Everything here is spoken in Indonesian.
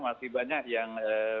masih banyak yang